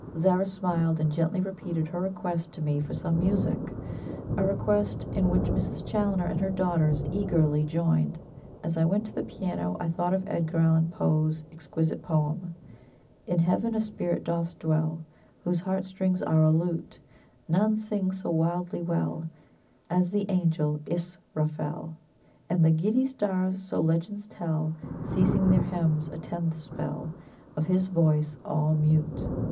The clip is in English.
Zara smiled, and gently repeated her request to me for some music a request in which Mrs. Challoner and her daughters eagerly joined. As I went to the piano I thought of Edgar Allan Poe's exquisite poem: "In Heaven a spirit doth dwell, Whose heart strings are a lute; None sing so wildly well As the angel Israfel, And the giddy stars, so legends tell, Ceasing their hymns, attend the spell Of his voice all mute."